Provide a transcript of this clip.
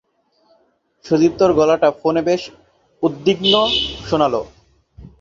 সুদীপ্তর গলাটা ফোনে বেশ উদ্বিগ্ন শোনাল।